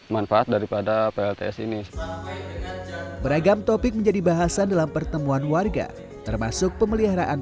manfaat daripada plts ini beragam topik menjadi bahasan dalam pertemuan warga termasuk pemeliharaan